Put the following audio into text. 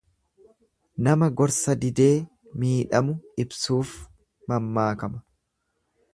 Nama gorsa didee miidhamu ibsuuf mammaakama.